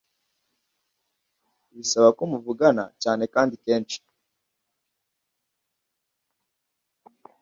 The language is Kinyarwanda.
bisaba ko muvugana cyane kandi kenshi